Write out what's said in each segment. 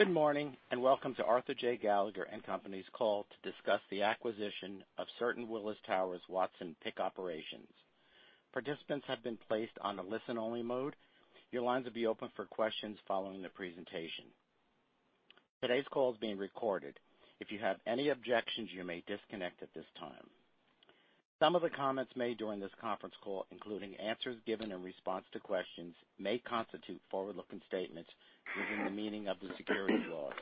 Good morning and welcome to Arthur J. Gallagher & Co's call to discuss the acquisition of certain Willis Towers Watson operations. Participants have been placed on a listen-only mode. Your lines will be open for questions following the presentation. Today's call is being recorded. If you have any objections, you may disconnect at this time. Some of the comments made during this conference call, including answers given in response to questions, may constitute forward-looking statements using the meaning of the securities laws.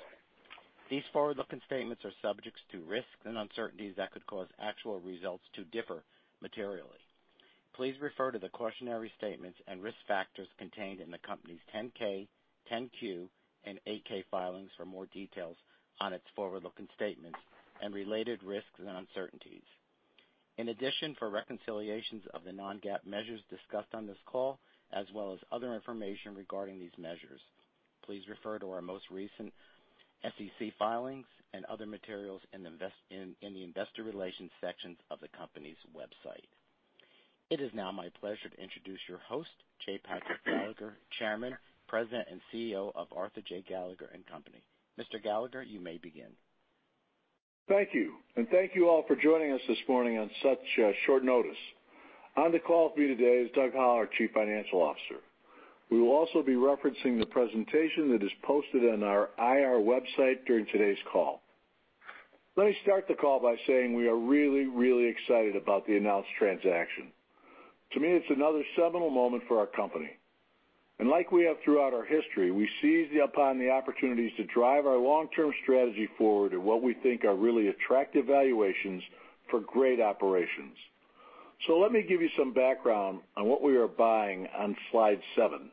These forward-looking statements are subject to risks and uncertainties that could cause actual results to differ materially. Please refer to the cautionary statements and risk factors contained in the company's 10-K, 10-Q, and 8-K filings for more details on its forward-looking statements and related risks and uncertainties. In addition, for reconciliations of the non-GAAP measures discussed on this call, as well as other information regarding these measures, please refer to our most recent SEC filings and other materials in the Investor Relations sections of the company's website. It is now my pleasure to introduce your host, J. Patrick Gallagher, Chairman, President, and CEO of Arthur J. Gallagher & Co. Mr. Gallagher, you may begin. Thank you. Thank you all for joining us this morning on such short notice. On the call with me today is Doug Howell, our Chief Financial Officer. We will also be referencing the presentation that is posted on our IR website during today's call. Let me start the call by saying we are really, really excited about the announced transaction. To me, it's another seminal moment for our company. Like we have throughout our history, we seize upon the opportunities to drive our long-term strategy forward at what we think are really attractive valuations for great operations. Let me give you some background on what we are buying on slide seven.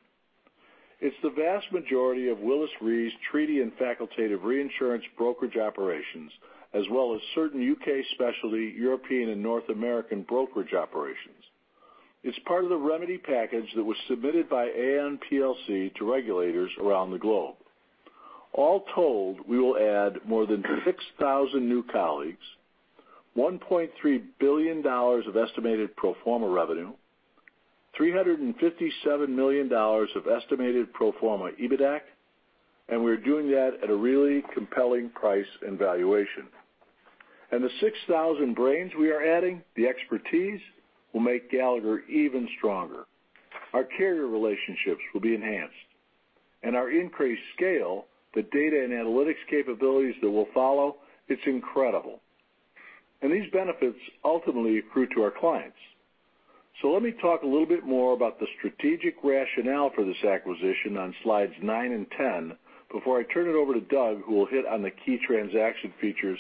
It's the vast majority of Willis Re's treaty and facultative reinsurance brokerage operations, as well as certain U.K. Specialty, European, and North American brokerage operations. It's part of the remedy package that was submitted by Aon plc to regulators around the globe. All told, we will add more than 6,000 new colleagues, $1.3 billion of estimated pro forma revenue, $357 million of estimated pro forma EBITDA, and we're doing that at a really compelling price and valuation. The 6,000 brains we are adding, the expertise, will make Gallagher even stronger. Our carrier relationships will be enhanced. Our increased scale, the data and analytics capabilities that will follow, it's incredible. These benefits ultimately accrue to our clients. Let me talk a little bit more about the strategic rationale for this acquisition on slides nine and ten before I turn it over to Doug, who will hit on the key transaction features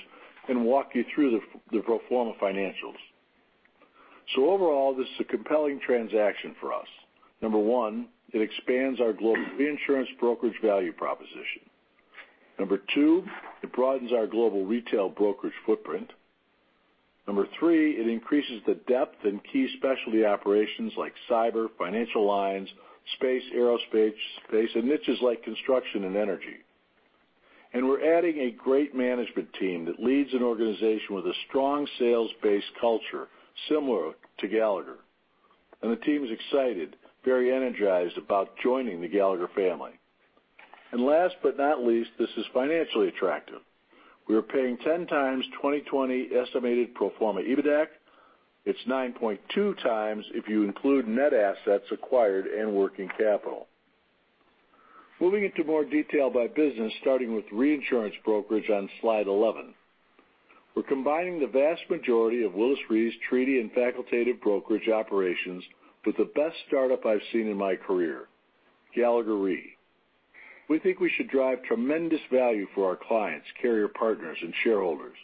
and walk you through the pro forma financials. Overall, this is a compelling transaction for us. Number one, it expands our global reinsurance brokerage value proposition. Number two, it broadens our global retail brokerage footprint. Number three, it increases the depth in key specialty operations like cyber, financial lines, space, aerospace, and niches like construction and energy. We are adding a great management team that leads an organization with a strong sales-based culture similar to Gallagher. The team is excited, very energized about joining the Gallagher family. Last but not least, this is financially attractive. We are paying 10 times 2020 estimated pro forma EBITDA. It is 9.2 times if you include net assets acquired and working capital. Moving into more detail by business, starting with reinsurance brokerage on slide 11. We are combining the vast majority of Willis Re's treaty and facultative brokerage operations with the best startup I have seen in my career, Gallagher Re. We think we should drive tremendous value for our clients, carrier partners, and shareholders.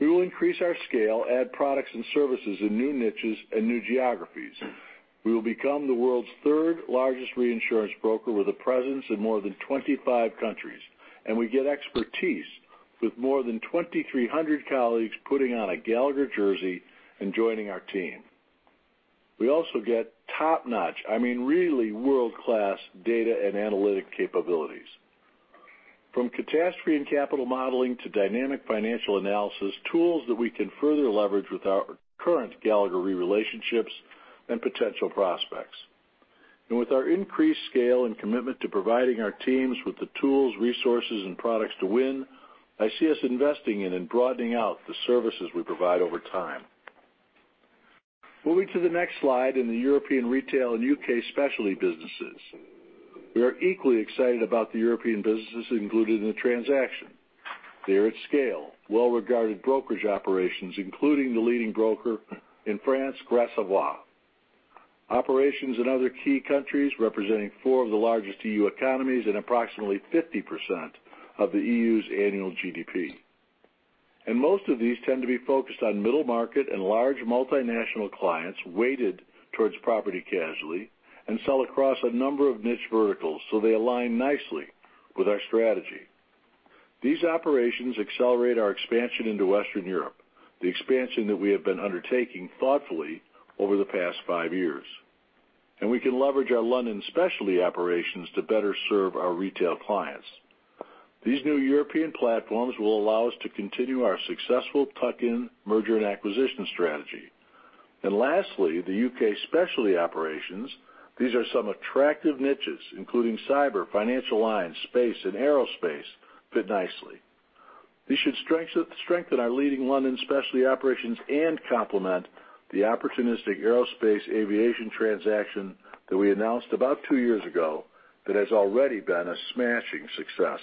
We will increase our scale, add products and services in new niches and new geographies. We will become the world's third largest reinsurance broker with a presence in more than 25 countries. We get expertise with more than 2,300 colleagues putting on a Gallagher jersey and joining our team. We also get top-notch, I mean really world-class data and analytic capabilities. From catastrophe and capital modeling to dynamic financial analysis, tools that we can further leverage with our current Gallagher relationships and potential prospects. With our increased scale and commitment to providing our teams with the tools, resources, and products to win, I see us investing in and broadening out the services we provide over time. Moving to the next slide in the European retail and U.K. Specialty businesses. We are equally excited about the European businesses included in the transaction. They are at scale, well-regarded brokerage operations, including the leading broker in France, Gras Savoye. Operations in other key countries representing four of the largest EU economies and approximately 50% of the EU's annual GDP. Most of these tend to be focused on middle market and large multinational clients weighted towards property and casualty and sell across a number of niche verticals, so they align nicely with our strategy. These operations accelerate our expansion into Western Europe, the expansion that we have been undertaking thoughtfully over the past five years. We can leverage our London Specialty operations to better serve our retail clients. These new European platforms will allow us to continue our successful tuck-in merger and acquisition strategy. Lastly, the U.K. Specialty operations, these are some attractive niches, including cyber, financial lines, space, and aerospace, fit nicely. These should strengthen our leading London Specialty operations and complement the opportunistic aerospace aviation transaction that we announced about two years ago that has already been a smashing success.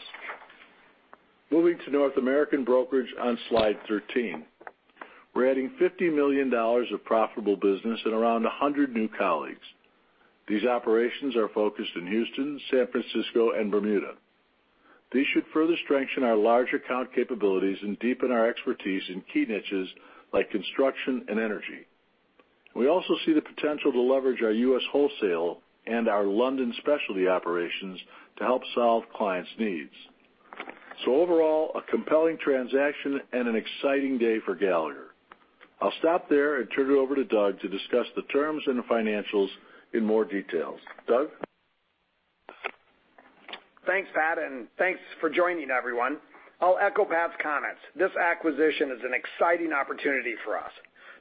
Moving to North American brokerage on slide 13. We're adding $50 million of profitable business and around 100 new colleagues. These operations are focused in Houston, San Francisco, and Bermuda. These should further strengthen our large account capabilities and deepen our expertise in key niches like construction and energy. We also see the potential to leverage our U.S. Wholesale and our London Specialty operations to help solve clients' needs. Overall, a compelling transaction and an exciting day for Gallagher. I'll stop there and turn it over to Doug to discuss the terms and financials in more detail. Doug? Thanks, Pat, and thanks for joining everyone. I'll echo Pat's comments. This acquisition is an exciting opportunity for us.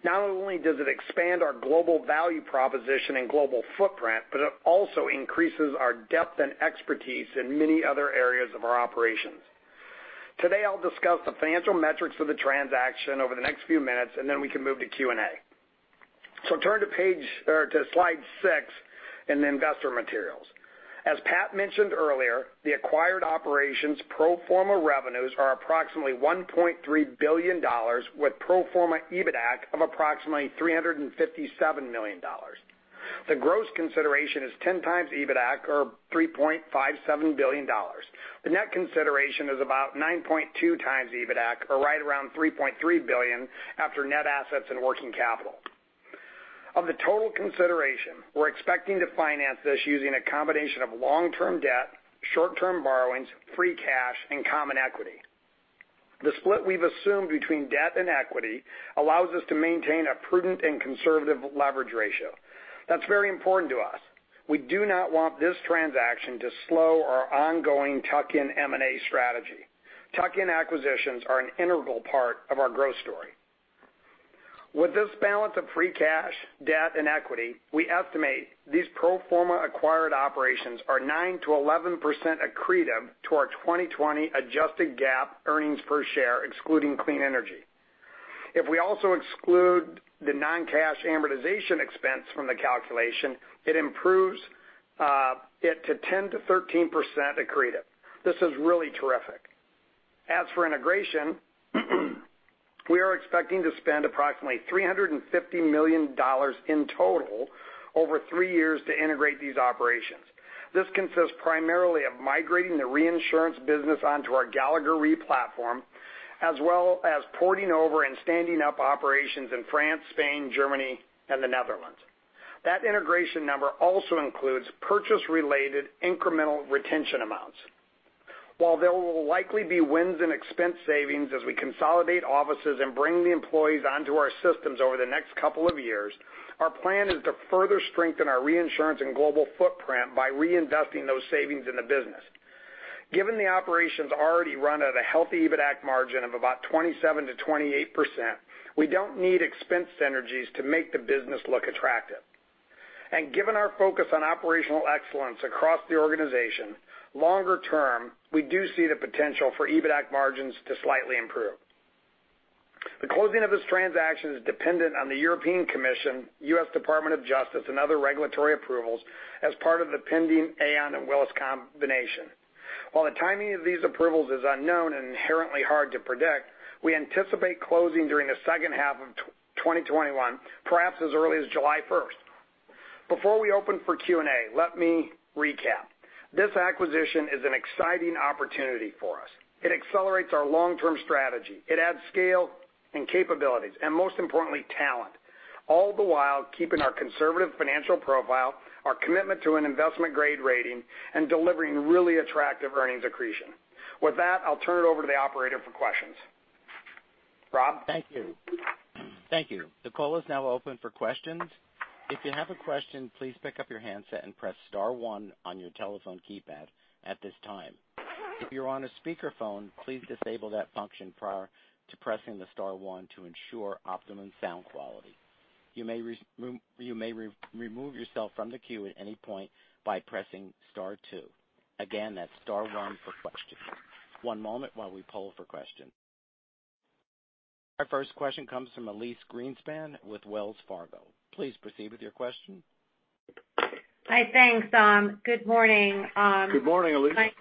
Not only does it expand our global value proposition and global footprint, but it also increases our depth and expertise in many other areas of our operations. Today, I'll discuss the financial metrics of the transaction over the next few minutes, and then we can move to Q&A. Turn to slide six in the investor materials. As Pat mentioned earlier, the acquired operations' pro forma revenues are approximately $1.3 billion, with pro forma EBITDA of approximately $357 million. The gross consideration is 10x EBITDA, or $3.57 billion. The net consideration is about 9.2x EBITDA, or right around $3.3 billion after net assets and working capital. Of the total consideration, we're expecting to finance this using a combination of long-term debt, short-term borrowings, free cash, and common equity. The split we've assumed between debt and equity allows us to maintain a prudent and conservative leverage ratio. That's very important to us. We do not want this transaction to slow our ongoing tuck-in M&A strategy. Tuck-in acquisitions are an integral part of our growth story. With this balance of free cash, debt, and equity, we estimate these pro forma acquired operations are 9%-11% accretive to our 2020 adjusted GAAP earnings per share, excluding Clean Energy. If we also exclude the non-cash amortization expense from the calculation, it improves it to 10%-13% accretive. This is really terrific. As for integration, we are expecting to spend approximately $350 million in total over three years to integrate these operations. This consists primarily of migrating the reinsurance business onto our Gallagher Re platform, as well as porting over and standing up operations in France, Spain, Germany, and the Netherlands. That integration number also includes purchase-related incremental retention amounts. While there will likely be wins in expense savings as we consolidate offices and bring the employees onto our systems over the next couple of years, our plan is to further strengthen our reinsurance and global footprint by reinvesting those savings in the business. Given the operations already run at a healthy EBITDA margin of about 27%-28%, we don't need expense synergies to make the business look attractive. Given our focus on operational excellence across the organization, longer term, we do see the potential for EBITDA margins to slightly improve. The closing of this transaction is dependent on the European Commission, U.S. Department of Justice, and other regulatory approvals as part of the pending Aon and Willis combination. While the timing of these approvals is unknown and inherently hard to predict, we anticipate closing during the second half of 2021, perhaps as early as July 1st. Before we open for Q&A, let me recap. This acquisition is an exciting opportunity for us. It accelerates our long-term strategy. It adds scale and capabilities, and most importantly, talent, all the while keeping our conservative financial profile, our commitment to an investment-grade rating, and delivering really attractive earnings accretion. With that, I'll turn it over to the operator for questions. Rob? Thank you. Thank you. The call is now open for questions. If you have a question, please pick up your handset and press star one on your telephone keypad at this time. If you're on a speakerphone, please disable that function prior to pressing the star one to ensure optimum sound quality. You may remove yourself from the queue at any point by pressing star two. Again, that's star one for questions. One moment while we poll for questions. Our first question comes from Elyse Greenspan with Wells Fargo. Please proceed with your question. Hi, thanks. Good morning. Good morning, Elyse.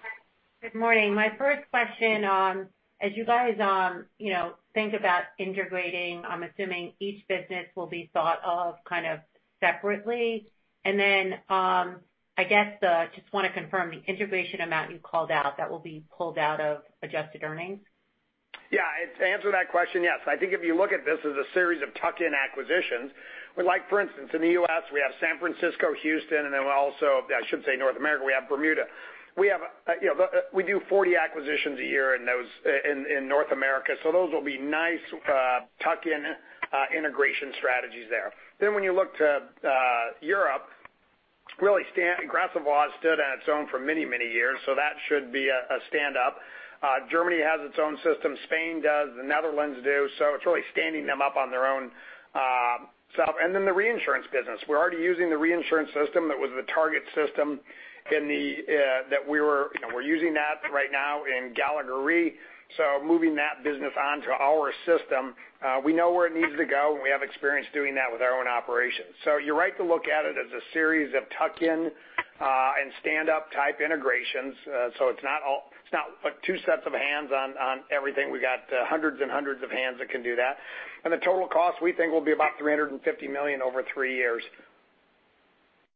Good morning. My first question, as you guys think about integrating, I'm assuming each business will be thought of kind of separately. I just want to confirm the integration amount you called out that will be pulled out of adjusted earnings? Yeah. To answer that question, yes. I think if you look at this as a series of tuck-in acquisitions, for instance, in the U.S., we have San Francisco, Houston, and then also, I should say, North America, we have Bermuda. We do 40 acquisitions a year in North America, so those will be nice tuck-in integration strategies there. When you look to Europe, really, Gras Savoye stood on its own for many, many years, so that should be a stand-up. Germany has its own system. Spain does. The Netherlands do. It is really standing them up on their own self. The reinsurance business, we're already using the reinsurance system that was the target system that we were using right now in Gallagher Re. Moving that business onto our system, we know where it needs to go, and we have experience doing that with our own operations. You're right to look at it as a series of tuck-in and stand-up type integrations. It's not two sets of hands on everything. We've got hundreds and hundreds of hands that can do that. The total cost, we think, will be about $350 million over three years.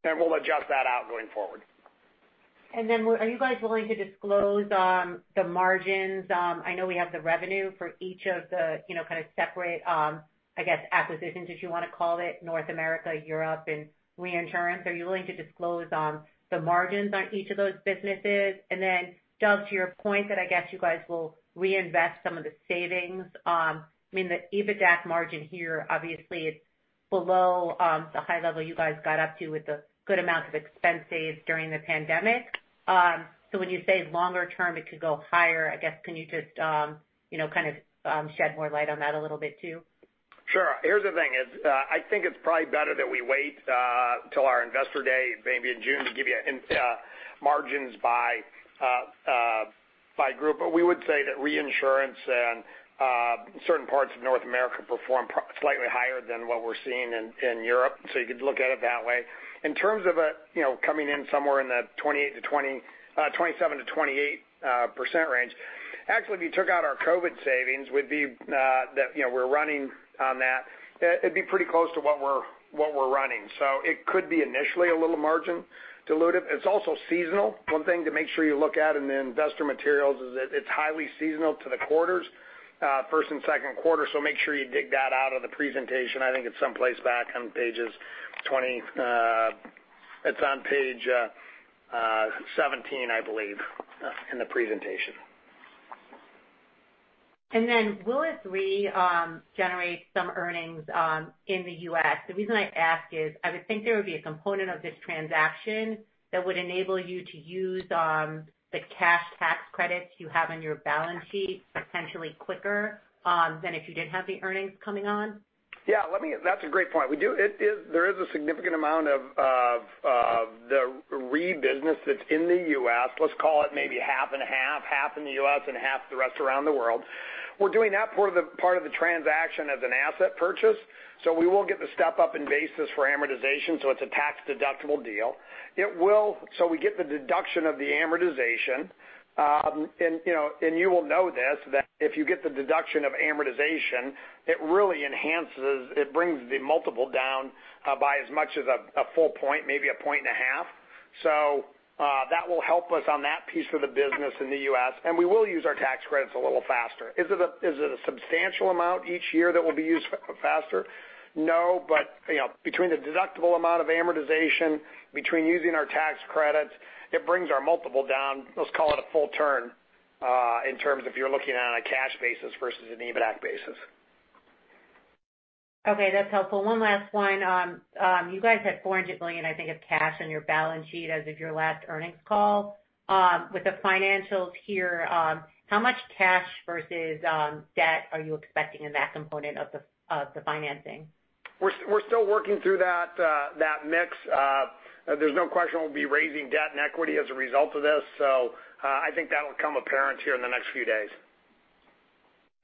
We'll adjust that out going forward. Are you guys willing to disclose the margins? I know we have the revenue for each of the kind of separate, I guess, acquisitions, as you want to call it, North America, Europe, and reinsurance. Are you willing to disclose the margins on each of those businesses? Doug, to your point that I guess you guys will reinvest some of the savings. I mean, the EBITDA margin here, obviously, it's below the high level you guys got up to with the good amount of expense saved during the pandemic. When you say longer term, it could go higher. I guess can you just kind of shed more light on that a little bit too? Sure. Here's the thing. I think it's probably better that we wait till our investor day, maybe in June, to give you margins by group. But we would say that reinsurance and certain parts of North America perform slightly higher than what we're seeing in Europe. So you could look at it that way. In terms of coming in somewhere in the 27%-28% range, actually, if you took out our COVID savings, we'd be that we're running on that. It'd be pretty close to what we're running. So it could be initially a little margin diluted. It's also seasonal. One thing to make sure you look at in the investor materials is that it's highly seasonal to the quarters, first and second quarter. So make sure you dig that out of the presentation. I think it's someplace back on pages 20. It's on page 17, I believe, in the presentation. Will it Re generate some earnings in the U.S.? The reason I ask is I would think there would be a component of this transaction that would enable you to use the cash tax credits you have in your balance sheet potentially quicker than if you did not have the earnings coming on? Yeah. That's a great point. There is a significant amount of the Re business that's in the U.S. Let's call it maybe half and half, half in the U.S. and half the rest around the world. We're doing that part of the transaction as an asset purchase. We will get the step-up in basis for amortization, so it's a tax-deductible deal. We get the deduction of the amortization. You will know this, that if you get the deduction of amortization, it really enhances, it brings the multiple down by as much as a full point, maybe a point and a half. That will help us on that piece of the business in the U.S. We will use our tax credits a little faster. Is it a substantial amount each year that will be used faster? No. Between the deductible amount of amortization, between using our tax credits, it brings our multiple down. Let's call it a full turn in terms if you're looking at a cash basis versus an EBITDA basis. Okay. That's helpful. One last one. You guys had $400 million, I think, of cash on your balance sheet as of your last earnings call. With the financials here, how much cash versus debt are you expecting in that component of the financing? We're still working through that mix. There's no question we'll be raising debt and equity as a result of this. I think that'll come apparent here in the next few days.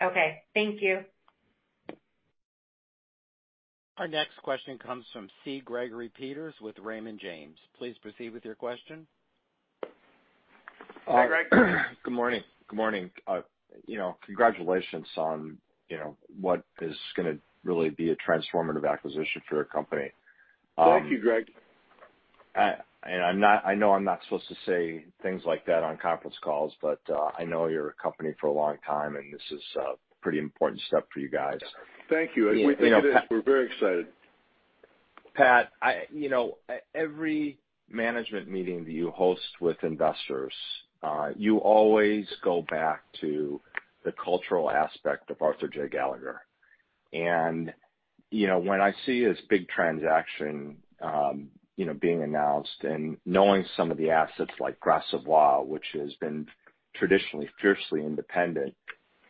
Okay. Thank you. Our next question comes from C. Gregory Peters with Raymond James. Please proceed with your question. Hi, Greg. Good morning. Good morning. Congratulations on what is going to really be a transformative acquisition for your company. Thank you, Greg. I know I'm not supposed to say things like that on conference calls, but I know your company for a long time, and this is a pretty important step for you guys. Thank you. We think it is. We're very excited. Pat, every management meeting that you host with investors, you always go back to the cultural aspect of Arthur J. Gallagher. When I see this big transaction being announced and knowing some of the assets like Gras Savoye, which has been traditionally fiercely independent,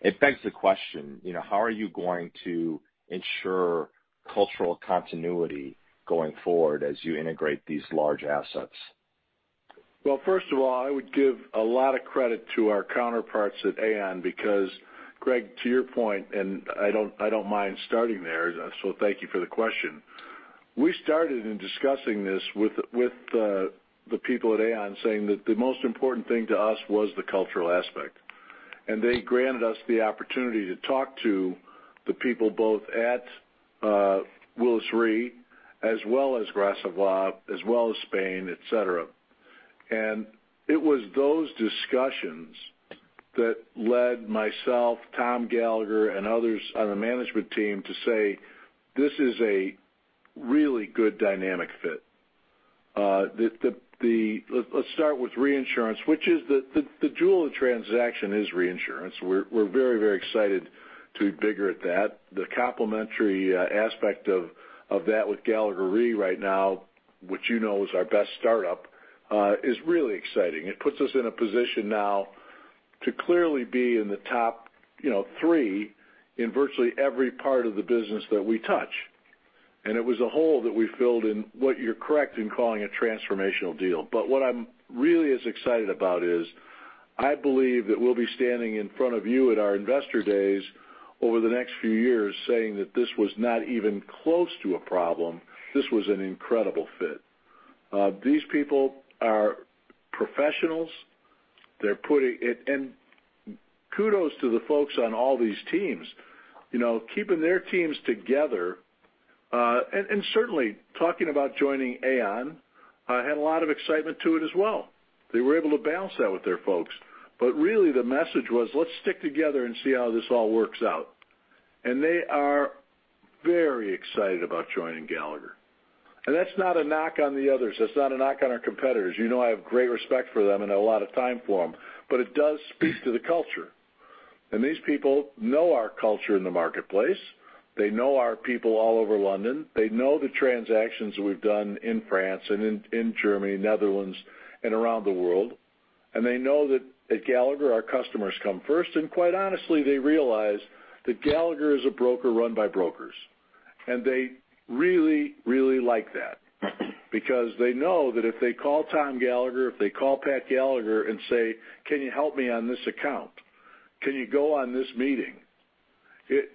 it begs the question, how are you going to ensure cultural continuity going forward as you integrate these large assets? First of all, I would give a lot of credit to our counterparts at Aon because, Greg, to your point, and I don't mind starting there, so thank you for the question. We started in discussing this with the people at Aon saying that the most important thing to us was the cultural aspect. They granted us the opportunity to talk to the people both at Willis Re as well as Gras Savoye, as well as Spain, etc. It was those discussions that led myself, Tom Gallagher, and others on the management team to say, "This is a really good dynamic fit." Let's start with reinsurance, which is the jewel of the transaction, is reinsurance. We're very, very excited to be bigger at that. The complementary aspect of that with Gallagher Re right now, which you know is our best startup, is really exciting. It puts us in a position now to clearly be in the top three in virtually every part of the business that we touch. It was a hole that we filled in what you're correct in calling a transformational deal. What I'm really as excited about is I believe that we'll be standing in front of you at our investor days over the next few years saying that this was not even close to a problem. This was an incredible fit. These people are professionals. Kudos to the folks on all these teams. Keeping their teams together and certainly talking about joining Aon had a lot of excitement to it as well. They were able to balance that with their folks. The message was, "Let's stick together and see how this all works out." They are very excited about joining Gallagher. That's not a knock on the others. That's not a knock on our competitors. You know I have great respect for them and a lot of time for them, but it does speak to the culture. These people know our culture in the marketplace. They know our people all over London. They know the transactions we've done in France and in Germany, Netherlands, and around the world. They know that at Gallagher, our customers come first. Quite honestly, they realize that Gallagher is a broker run by brokers. They really, really like that because they know that if they call Tom Gallagher, if they call Pat Gallagher and say, "Can you help me on this account? Can you go on this meeting?"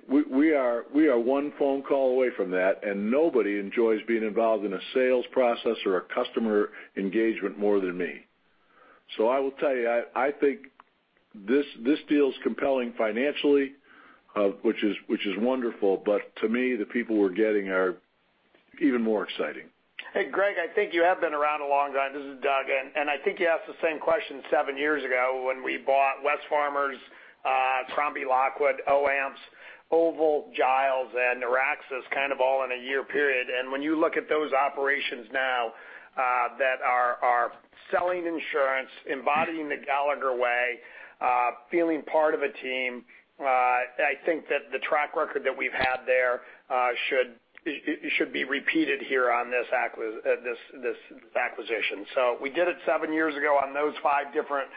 We are one phone call away from that, and nobody enjoys being involved in a sales process or a customer engagement more than me. I will tell you, I think this deal is compelling financially, which is wonderful. To me, the people we're getting are even more exciting. Hey, Greg, I think you have been around a long time. This is Doug. I think you asked the same question seven years ago when we bought Wesfarmers, Crombie Lockwood, OAMPS, Oval, Giles, and Noraxis kind of all in a year period. When you look at those operations now that are selling insurance, embodying the Gallagher way, feeling part of a team, I think that the track record that we've had there should be repeated here on this acquisition. We did it seven years ago on those five different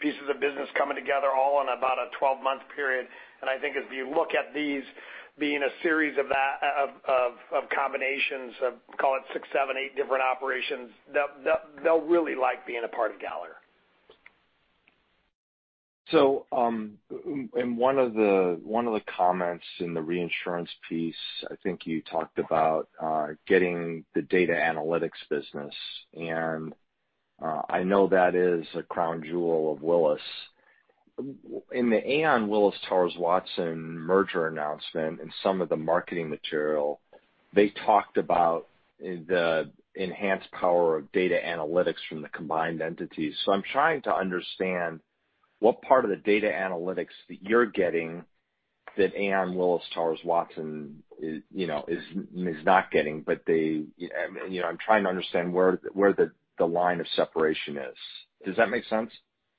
pieces of business coming together all in about a 12-month period. I think as we look at these being a series of combinations of, call it six, seven, eight different operations, they'll really like being a part of Gallagher. In one of the comments in the reinsurance piece, I think you talked about getting the data analytics business. I know that is a crown jewel of Willis. In the Aon-Willis Towers Watson merger announcement and some of the marketing material, they talked about the enhanced power of data analytics from the combined entities. I'm trying to understand what part of the data analytics that you're getting that Aon-Willis Towers Watson is not getting, but I'm trying to understand where the line of separation is. Does that make sense?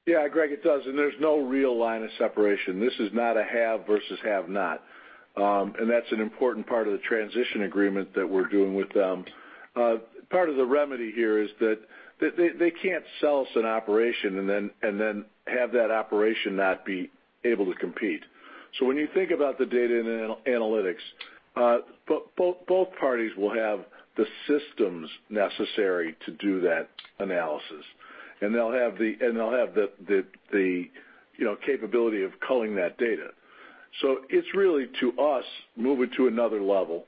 Yeah, Greg, it does. There is no real line of separation. This is not a have versus have not. That is an important part of the transition agreement that we are doing with them. Part of the remedy here is that they cannot sell us an operation and then have that operation not be able to compete. When you think about the data and analytics, both parties will have the systems necessary to do that analysis. They will have the capability of culling that data. It is really to us moving to another level.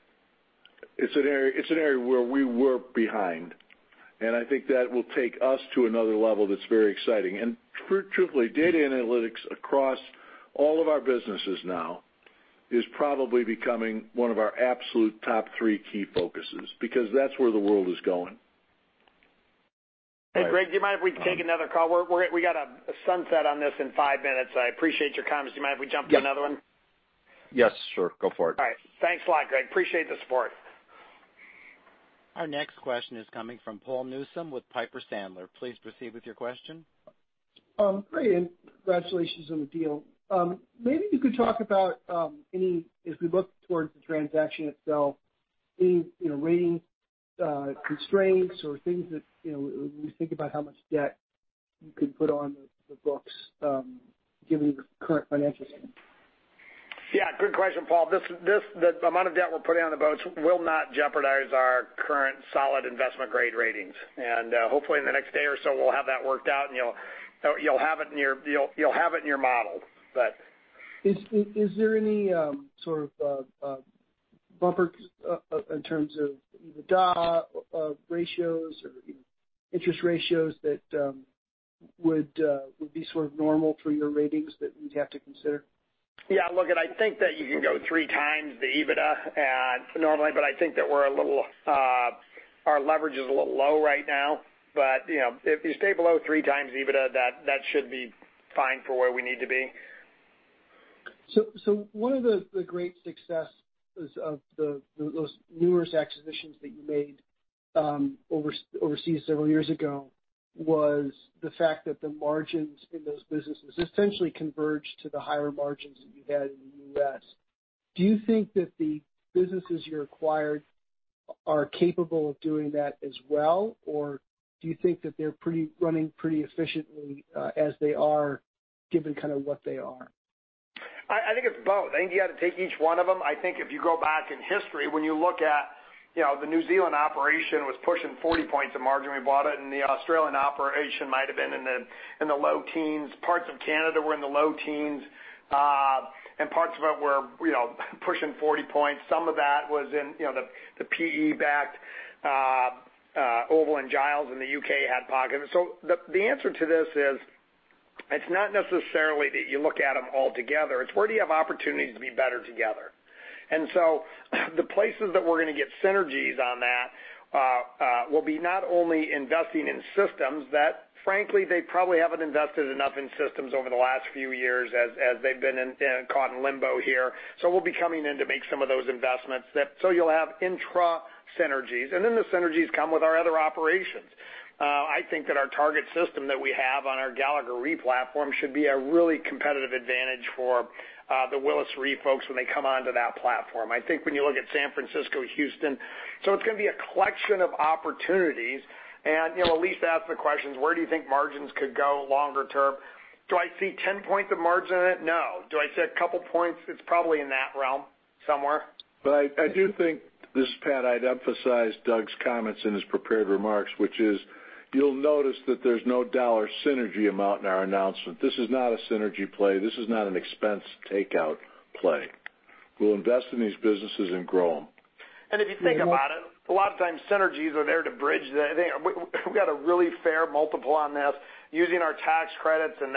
It is an area where we were behind. I think that will take us to another level that is very exciting. Truthfully, data analytics across all of our businesses now is probably becoming one of our absolute top three key focuses because that is where the world is going. Hey, Greg, do you mind if we take another call? We got a sunset on this in five minutes. I appreciate your comments. Do you mind if we jump to another one? Yes, sure. Go for it. All right. Thanks a lot, Greg. Appreciate the support. Our next question is coming from Paul Newsome with Piper Sandler. Please proceed with your question. Great. Congratulations on the deal. Maybe you could talk about, if we look towards the transaction itself, any rating constraints or things that we think about how much debt you could put on the books given the current financials? Yeah. Good question, Paul. The amount of debt we're putting on the books will not jeopardize our current solid investment-grade ratings. Hopefully, in the next day or so, we'll have that worked out, and you'll have it in your model. Is there any sort of bumper in terms of D/A ratios or interest ratios that would be sort of normal for your ratings that we'd have to consider? Yeah. Look, I think that you can go three times the EBITDA normally, but I think that we're a little our leverage is a little low right now. If you stay below three times EBITDA, that should be fine for where we need to be. One of the great successes of those numerous acquisitions that you made overseas several years ago was the fact that the margins in those businesses essentially converged to the higher margins that you had in the U.S. Do you think that the businesses you acquired are capable of doing that as well, or do you think that they're running pretty efficiently as they are given kind of what they are? I think it's both. I think you got to take each one of them. I think if you go back in history, when you look at the New Zealand operation was pushing 40 points of margin. We bought it. And the Australian operation might have been in the low teens. Parts of Canada were in the low teens, and parts of it were pushing 40 points. Some of that was in the PE-backed Oval and Giles in the U.K. had pockets. The answer to this is it's not necessarily that you look at them all together. It's where do you have opportunities to be better together. The places that we're going to get synergies on that will be not only investing in systems that, frankly, they probably haven't invested enough in systems over the last few years as they've been caught in limbo here. We'll be coming in to make some of those investments. You'll have intra synergies. Then the synergies come with our other operations. I think that our target system that we have on our Gallagher Re platform should be a really competitive advantage for the Willis Re folks when they come onto that platform. I think when you look at San Francisco, Houston, it's going to be a collection of opportunities. At least ask the questions, where do you think margins could go longer term? Do I see 10 points of margin in it? No. Do I see a couple points? It's probably in that realm somewhere. I do think, this is Pat, I'd emphasize Doug's comments in his prepared remarks, which is you'll notice that there's no dollar synergy amount in our announcement. This is not a synergy play. This is not an expense takeout play. We'll invest in these businesses and grow them. If you think about it, a lot of times synergies are there to bridge the we've got a really fair multiple on this using our tax credits and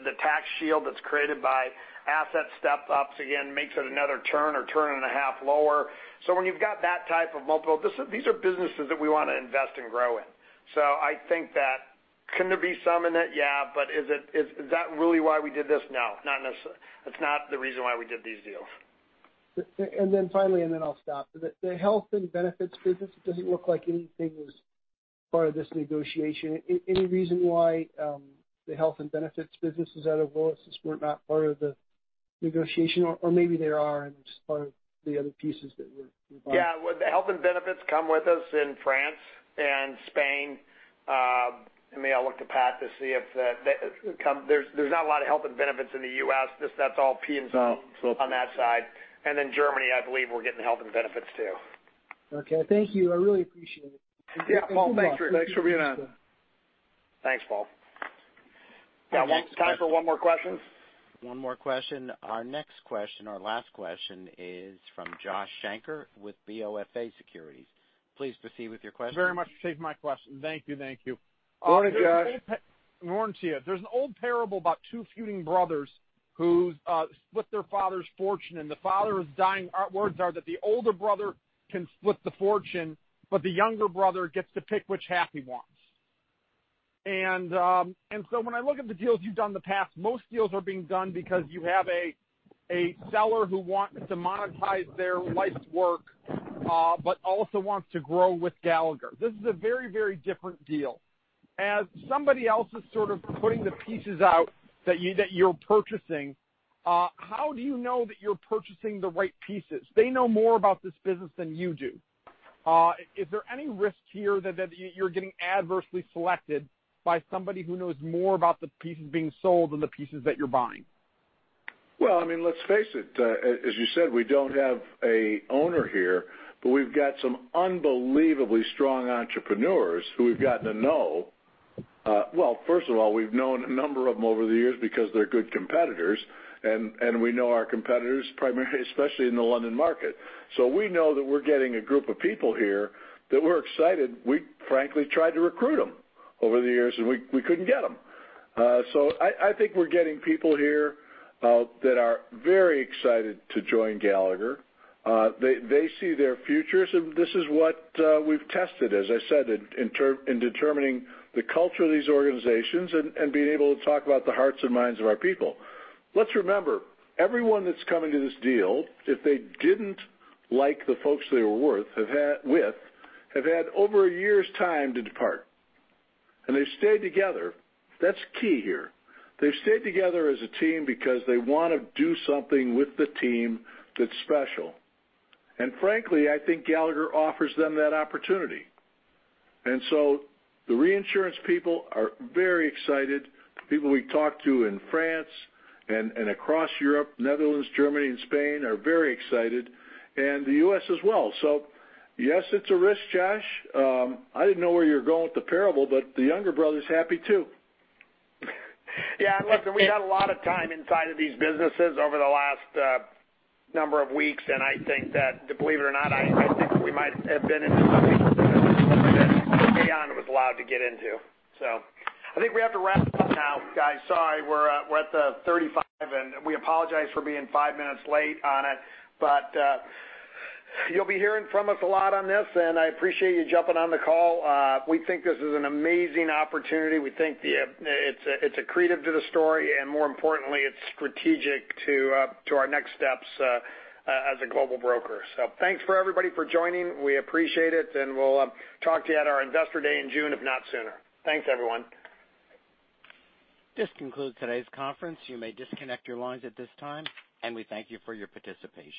the tax shield that's created by asset step-ups. Again, makes it another turn or turn and a half lower. When you've got that type of multiple, these are businesses that we want to invest and grow in. I think that can there be some in it? Yeah. Is that really why we did this? No. It's not the reason why we did these deals. Finally, and then I'll stop, the Health and Benefits business, it doesn't look like anything was part of this negotiation. Any reason why the Health and Benefits businesses out of Willis were not part of the negotiation? Or maybe they are and it's part of the other pieces that we're buying. Yeah. The Health and Benefits come with us in France and Spain. I may look to Pat to see if there's not a lot of Health and Benefits in the U.S. That's all P&C on that side. Then Germany, I believe we're getting Health and Benefits too. Okay. Thank you. I really appreciate it. Yeah. Paul, thanks for being on. Thanks, Paul. Yeah. Time for one more question? One more question. Our next question, our last question is from Josh Shanker with BofA Securities. Please proceed with your question. Very much appreciate my question. Thank you. Morning, Josh. Morning to you. There's an old parable about two feuding brothers who split their father's fortune, and the father is dying. Our words are that the older brother can split the fortune, but the younger brother gets to pick which half he wants. When I look at the deals you've done in the past, most deals are being done because you have a seller who wants to monetize their life's work but also wants to grow with Gallagher. This is a very, very different deal. As somebody else is sort of putting the pieces out that you're purchasing, how do you know that you're purchasing the right pieces? They know more about this business than you do. Is there any risk here that you're getting adversely selected by somebody who knows more about the pieces being sold than the pieces that you're buying? I mean, let's face it. As you said, we don't have an owner here, but we've got some unbelievably strong entrepreneurs who we've gotten to know. First of all, we've known a number of them over the years because they're good competitors. We know our competitors primarily, especially in the London market. We know that we're getting a group of people here that we're excited. We frankly tried to recruit them over the years, and we couldn't get them. I think we're getting people here that are very excited to join Gallagher. They see their futures, and this is what we've tested, as I said, in determining the culture of these organizations and being able to talk about the hearts and minds of our people. Let's remember, everyone that's come into this deal, if they didn't like the folks they were with, have had over a year's time to depart. They've stayed together. That's key here. They've stayed together as a team because they want to do something with the team that's special. Frankly, I think Gallagher offers them that opportunity. The reinsurance people are very excited. People we talked to in France and across Europe, Netherlands, Germany, and Spain are very excited. The U.S. as well. Yes, it's a risk, Josh. I didn't know where you're going with the parable, but the younger brother's happy too. Yeah. Listen, we've had a lot of time inside of these businesses over the last number of weeks. I think that, believe it or not, I think we might have been into something that Aon was allowed to get into. I think we have to wrap it up now, guys. Sorry. We're at the 35, and we apologize for being five minutes late on it. You'll be hearing from us a lot on this, and I appreciate you jumping on the call. We think this is an amazing opportunity. We think it's a credo to the story. More importantly, it's strategic to our next steps as a global broker. Thanks for everybody for joining. We appreciate it. We'll talk to you at our investor day in June, if not sooner. Thanks, everyone. This concludes today's conference. You may disconnect your lines at this time. We thank you for your participation.